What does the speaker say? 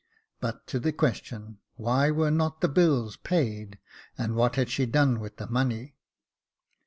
But to the question : why were not the bills paid, and what had she done with the money